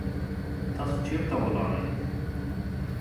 تاسو چیرې ولاړی؟